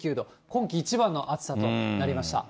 今季一番の暑さとなりました。